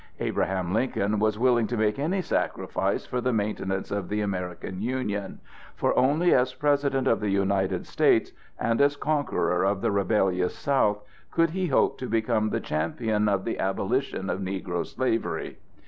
Abraham Lincoln was willing to make any sacrifice for the maintenance of the American Union, for only as President of the United States and as conqueror of the rebellious South, could he hope to become the champion of the abolition of negro slavery.